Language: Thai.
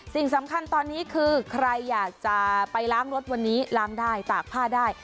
สิ่งสำคัญตอนนี้คือใครอยากจะไปล้างรถวันนี้ล้างได้ตากผ้าได้